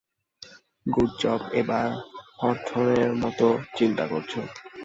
Good job, এবার হথর্নের মতো চিন্তা করছো।